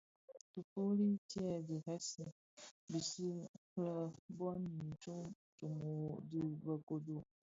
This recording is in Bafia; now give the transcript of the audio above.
Tifufuli tye dheresi bisi lè bon i ntsōmōrōgō dhi be Kodo,